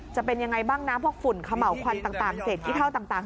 จะเป็นยังไงบ้างนะพวกฝุ่นเขม่าวควันต่างเศษขี้เท่าต่าง